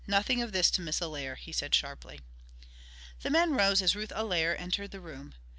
"Nothing of this to Miss Allaire," he said sharply. The men rose as Ruth Allaire entered the room.